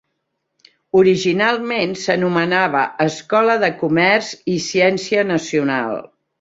Originalment s'anomenava "Escola de comerç i ciència nacional".